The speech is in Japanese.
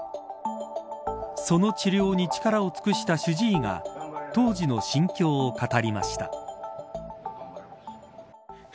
その治療に力を尽くした主治医が当時の心境を語りました。